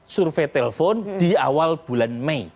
survei telpon di awal bulan mei